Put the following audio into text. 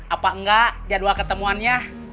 apa enggak jadwal ketemuannya